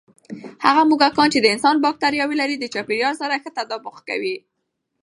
هغه موږکان چې د انسان بکتریاوې لري، د چاپېریال سره ښه تطابق کوي.